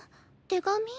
手紙？